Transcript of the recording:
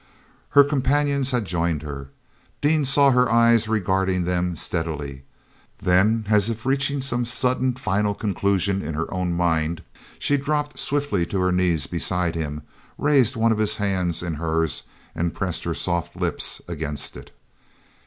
Her companions had joined her. Dean saw her eyes regarding them steadily. Then, as if reaching some sudden final conclusion in her own mind, she dropped swiftly to her knees beside him, raised one of his hands in hers and pressed her soft lips against it.